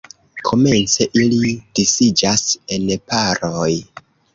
Komence ili disiĝas en paroj.